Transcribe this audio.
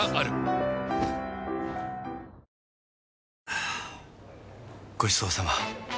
はぁごちそうさま！